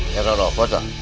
teror apa tuh